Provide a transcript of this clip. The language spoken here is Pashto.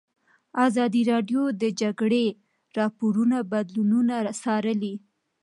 ازادي راډیو د د جګړې راپورونه بدلونونه څارلي.